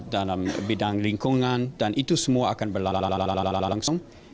dalam bidang lingkungan dan itu semua akan berlangsung